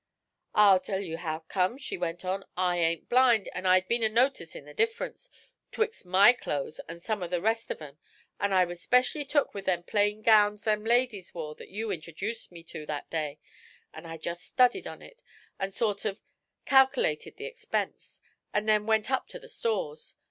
'I'll tell you how't come,' she went on. 'I ain't blind, and I'd been a noticin' the difference 'twixt my clo's and some of the rest of 'em; and I was specially took with them plain gownds them ladies wore that you interduced me to that day; an' I jest studied on it, and sort o' calkalated the expense, and then went up to the stores.